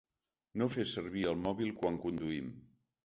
No fer servir el mòbil quan conduïm.